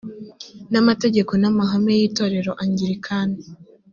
n amategeko n amahame y itorero angilikani